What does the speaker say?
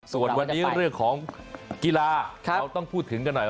ส่วนวันนี้เรื่องของกีฬาเราต้องพูดถึงกันหน่อย